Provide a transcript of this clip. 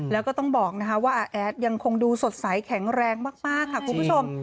แล้วก็ต้องบอกว่าอาแอดยังคงดูสดใสแข็งแรงมากค่ะคุณผู้ชม